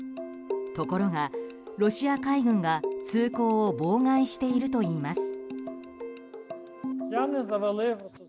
ところが、ロシア海軍が通行を妨害しているといいます。